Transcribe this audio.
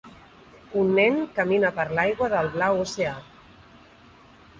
Un nen camina per l'aigua del blau oceà.